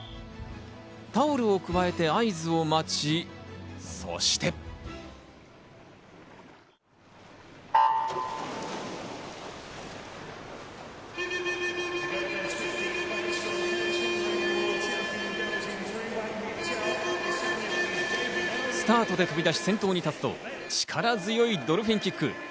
タオルをくわえて合図を待ち、そして。スタートで飛び出し先頭に立つと、力強いドルフィンキック。